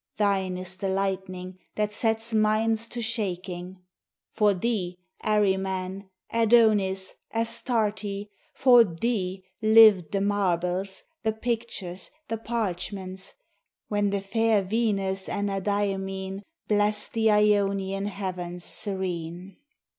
Thine is the lightning that Sets minds to shaking. For thee Arimane, Adonis, Astarte; For thee lived the marbles, The pictures, the parchments, When the fair Venus Anadyomene Blessed the Ionian Heavens serene.